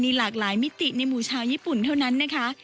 หลากหลายมิติในหมู่ชาวญี่ปุ่นเท่านั้นนะคะ